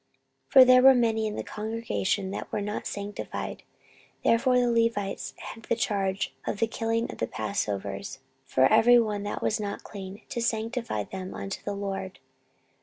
14:030:017 For there were many in the congregation that were not sanctified: therefore the Levites had the charge of the killing of the passovers for every one that was not clean, to sanctify them unto the LORD.